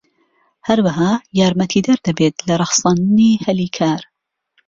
هەروەها یارمەتیدەر دەبێت لە ڕەخساندنی هەلی کار.